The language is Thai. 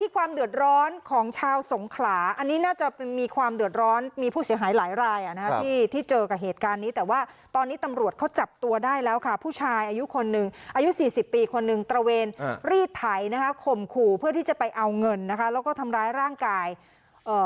ความเดือดร้อนของชาวสงขลาอันนี้น่าจะมีความเดือดร้อนมีผู้เสียหายหลายรายอ่ะนะคะที่ที่เจอกับเหตุการณ์นี้แต่ว่าตอนนี้ตำรวจเขาจับตัวได้แล้วค่ะผู้ชายอายุคนหนึ่งอายุสี่สิบปีคนหนึ่งตระเวนรีดไถนะคะข่มขู่เพื่อที่จะไปเอาเงินนะคะแล้วก็ทำร้ายร่างกายเอ่อ